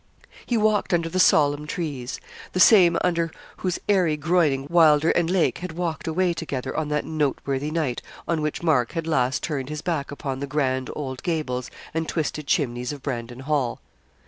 He walked under the solemn trees the same under whose airy groyning Wylder and Lake had walked away together on that noteworthy night on which Mark had last turned his back upon the grand old gables and twisted chimneys of Brandon Hall.